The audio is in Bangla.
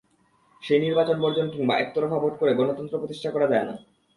সেই নির্বাচন বর্জন কিংবা একতরফা ভোট করে গণতন্ত্র প্রতিষ্ঠা করা যায় না।